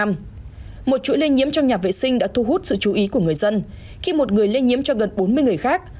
một chuỗi lây nhiễm trong nhà vệ sinh đã thu hút sự chú ý của người dân khi một người lây nhiễm cho gần bốn mươi người khác